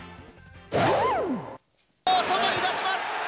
外に出します。